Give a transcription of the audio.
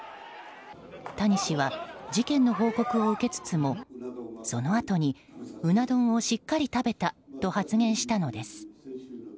谷氏は事件の報告を受けつつもそのあとに、うな丼をしっかり食べたと発言したのです。